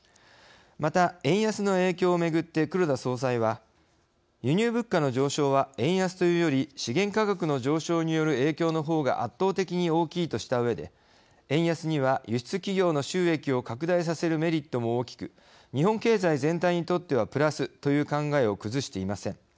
また、円安の影響をめぐって黒田総裁は輸入物価の上昇は円安というより資源価格の上昇による影響の方が圧倒的に大きいとしたうえで、円安には輸出企業の収益を拡大させるメリットも大きく日本経済全体にとってはプラスという考えを崩していません。